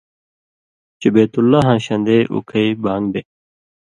چےۡ بَیت اللّٰہَ اں شن٘دے اُکٸ بان٘گ دے۔